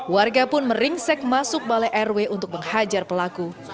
warga pun meringsek masuk balai rw untuk menghajar pelaku